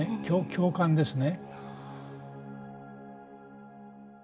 共感ですね。